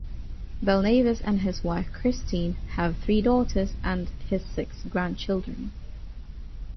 Belnavis and his wife Christine have three daughters and his six grandchildren.